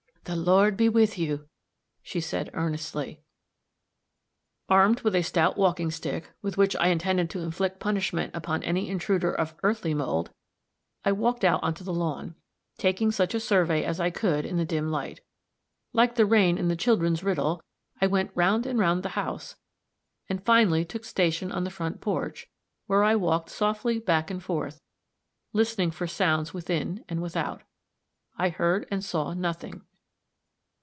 "The Lord be with you," she said, earnestly. Armed with a stout walking stick, with which I intended to inflict punishment upon any intruder of earthly mold, I walked out on the lawn, taking such a survey as I could in the dim light; like the rain in the children's riddle, I went "round and round the house," and finally took station on the front porch, where I walked softly back and forth, listening for sounds within and without. I heard and saw nothing.